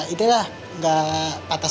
umur buah itu glaas